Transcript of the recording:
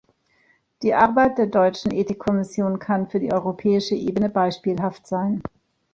Die Arbeit der deutschen Ethikkommission kann für die europäische Ebene beispielhaft sein.